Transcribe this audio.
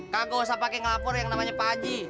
kagak usah pake ngelapor yang namanya pak haji